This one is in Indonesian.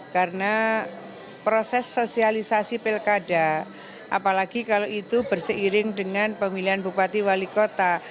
karena proses sosialisasi pilkada apalagi kalau itu berseiring dengan pemilihan bupati wali kota